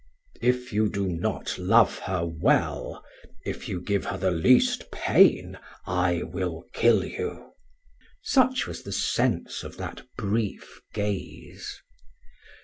"If you do not love her well, if you give her the least pain, I will kill you." such was the sense of that brief gaze.